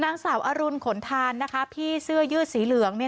นางสาวอรุณขนทานนะคะพี่เสื้อยืดสีเหลือง